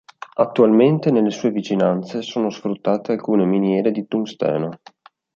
Attualmente, nelle sue vicinanze, sono sfruttate alcune miniere di tungsteno.